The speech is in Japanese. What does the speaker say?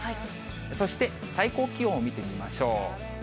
そして最高気温を見てみましょう。